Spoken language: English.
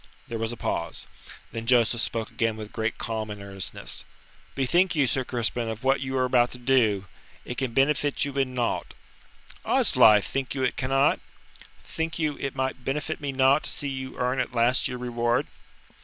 There was a pause. Then Joseph spoke again with great calm and earnestness. "Bethink you, Sir Crispin, of what you are about to do. It can benefit you in naught." "Oddslife, think you it cannot? Think you it will benefit me naught to see you earn at last your reward?"